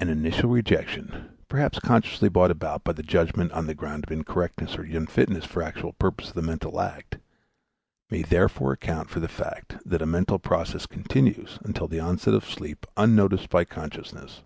An initial rejection, perhaps consciously brought about by the judgment on the ground of incorrectness or unfitness for the actual purpose of the mental act, may therefore account for the fact that a mental process continues until the onset of sleep unnoticed by consciousness.